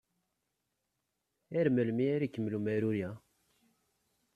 Ar melmi ara ikemmel umgaru-a?